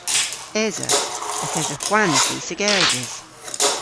Esa. Yth esa hwans dhis a gerdhes.